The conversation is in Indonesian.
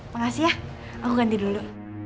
makasih ya aku ganti dulu